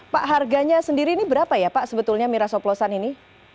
pak harganya sendiri ini berapa ya pak sebetulnya miras oplosan ini